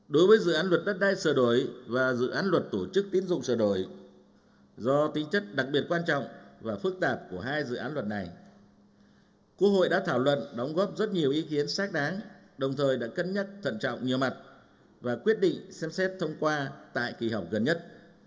đối với dự án luật đất đai sửa đổi và dự án luật tổ chức tiến dụng sửa đổi do tính chất đặc biệt quan trọng và phức tạp của hai dự án luật này quốc hội đã thảo luận đóng góp rất nhiều ý kiến xác đáng đồng thời đã cân nhắc thận trọng nhiều mặt và quyết định xem xét thông qua tại kỳ họp gần nhất